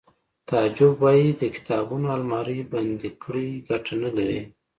تعجب وایی د کتابونو المارۍ بندې کړئ ګټه نلري